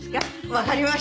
わかりました。